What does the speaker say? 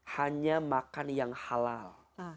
hanya makan yang halal